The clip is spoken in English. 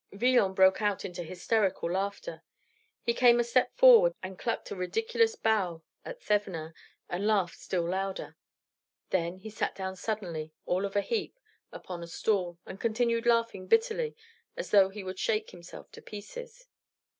Villon broke out into hysterical laughter. He came a step forward and clucked a ridiculous bow at Thevenin, and laughed still louder. Then he sat down suddenly, all of a heap, upon a stool, and continued laughing bitterly as though he would shake himself to pieces.